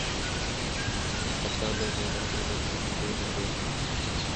রাত্রে আনন্দময়ী অনেকক্ষণ এই কথা লইয়া মনে মনে আলোচনা করিয়াছিলেন।